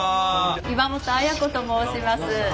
岩本綾子と申します。